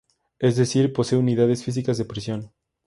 Es decir posee unidades físicas de presión.